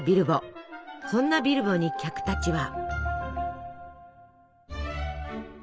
そんなビルボに客たちは。